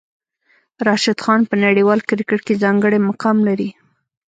راشد خان په نړیوال کرکټ کې ځانګړی مقام لري.